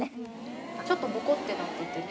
ちょっとボコッてなっててね。